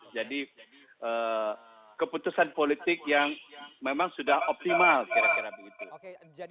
jadi keputusan politik yang memang sudah optimal kira kira begitu